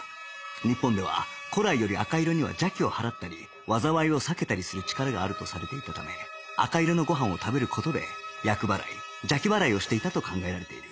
日本では古来より赤色には邪気を払ったり災いを避けたりする力があるとされていたため赤色のご飯を食べる事で厄払い邪気払いをしていたと考えられている